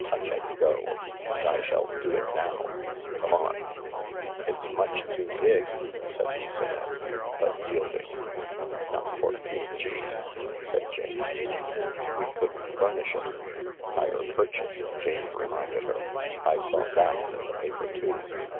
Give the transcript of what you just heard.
Tutch and Go— and I shall do it now. Come on." 48 THE LARK " It's much too big," said Lucilla, but yielding. "Not for P.G.'s," said Jane. "We couldn't furnish it." " Hire purchase," Jane reminded her. " I saw that in the paper too.